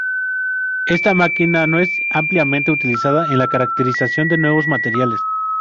Esta máquina no es ampliamente utilizada en la caracterización de nuevos materiales.